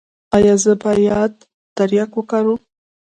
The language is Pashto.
ایا زه باید تریاک وکاروم؟